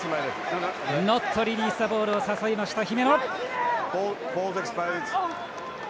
ノットリリースザボールを誘いました、姫野。